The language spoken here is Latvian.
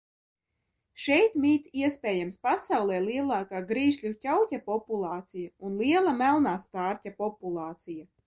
Šeit mīt, iespējams, pasaulē lielākā grīšļu ķauķa populācija un liela melnā stārķa populācija.